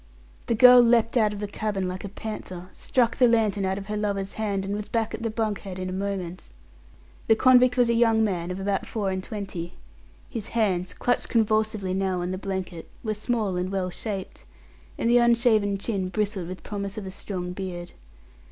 The girl leapt out of the cabin like a panther, struck the lantern out of her lover's hand, and was back at the bunk head in a moment. The convict was a young man of about four and twenty. His hands clutched convulsively now on the blankets were small and well shaped, and the unshaven chin bristled with promise of a strong beard.